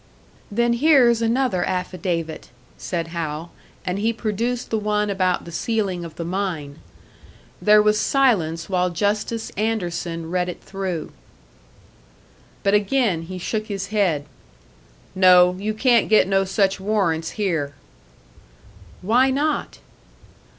"Then here's another affidavit," said Hal; and he produced the one about the sealing of the mine. There was silence while Justice Anderson read it through. But again he shook his head. "No, you can't get no such warrants here." "Why not?"